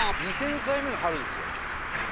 ２０００回目の春ですよ。